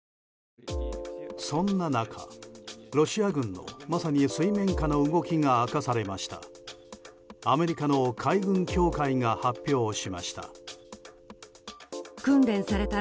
そんな中、ロシア軍のまさに水面下の動きが明かされました。